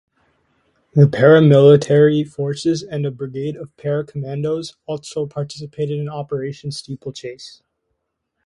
The paramilitary forces and a brigade of para commandos also participated in Operation Steeplechase.